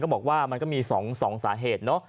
ก็บอกว่ามันก็มี๒สาเหตุ